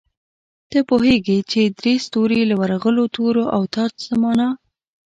ته پوهېږې چې درې ستوري، له ورغلو تورو او تاج څه مانا؟